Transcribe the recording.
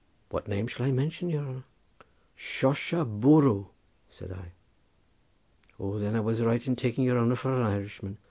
"What name shall I mention, your honour?" "Shorsha Borroo," said I. "Oh, then I was right in taking your honour for an Irishman.